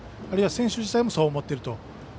あるいは選手自体もそう思っていると。